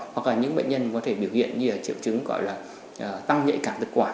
hoặc là những bệnh nhân có thể biểu hiện như là triệu chứng gọi là tăng nhạy cảm thực quản